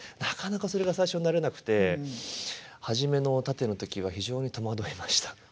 なかなかそれが最初慣れなくて初めの殺陣の時は非常に戸惑いました。